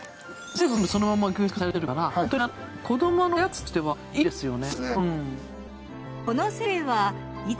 水分が全部そのまま凝縮されてるからホントに子どものおやつとしてはいいですよね。